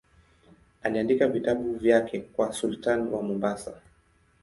Aliandika vitabu vyake kwa sultani wa Mombasa.